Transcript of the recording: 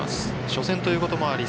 初戦ということもあり